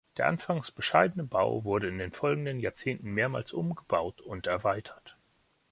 Der anfangs bescheidene Bau wurde in den folgenden Jahrzehnten mehrmals umgebaut und erweitert.